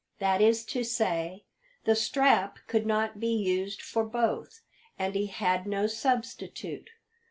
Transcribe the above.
That is to say, the strap could not be used for both, and he had no substitute.